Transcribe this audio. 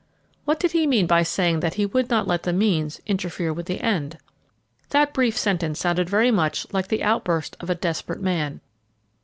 What did he mean by saying that he would not let the means interfere with the end? That brief sentence sounded very much like the outburst of a desperate man.